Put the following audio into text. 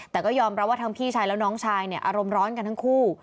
แต่ก็ยอมรับว่าทั้งพี่ชายแล้วน้องชายเนี่ยอารมณ์ร้อนกันทั้งคู่